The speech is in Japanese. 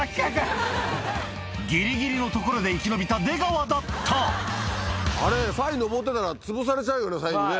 ギリギリのところで生き延びた出川だったあれサイ上ってたらつぶされちゃうよね